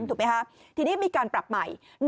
ถูกไหมคะทีนี้มีการปรับใหม่